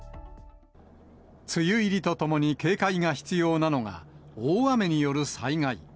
梅雨入りとともに警戒が必要なのが、大雨による災害。